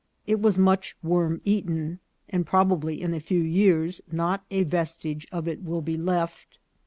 It was much worm eaten, and probably, in a few years, not a vestige of it will be left.